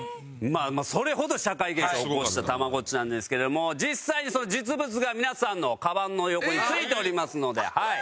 まあそれほど社会現象を起こしたたまごっちなんですけども実際にその実物が皆さんのカバンの横に付いておりますのではい。